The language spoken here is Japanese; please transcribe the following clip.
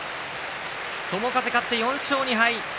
友風、勝って４勝２敗。